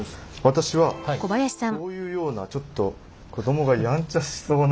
私はこういうようなちょっと子どもがやんちゃしそうな。